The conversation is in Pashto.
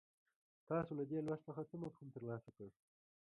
تاسو له دې لوست څخه څه مفهوم ترلاسه کړ.